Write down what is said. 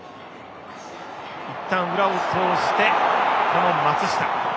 いったん裏を通して、松下。